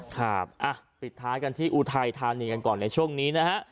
ครับปิดท้ายกันที่อุทัยธานีกันก่อนในช่วงนี้นะฮะ